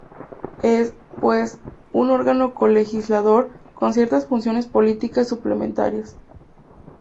Es, pues, un órgano co-legislador con ciertas funciones políticas suplementarias.